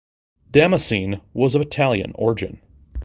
Damascene was of Italian origin.